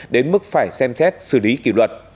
đến mức phải xem xét xử lý kỷ luật